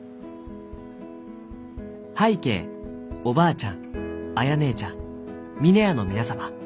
「拝啓おばあちゃん綾姉ちゃん峰屋の皆様。